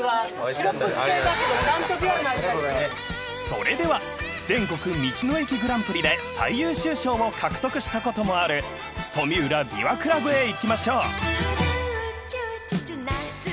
［それでは全国道の駅グランプリで最優秀賞を獲得したこともあるとみうら枇杷倶楽部へ行きましょう］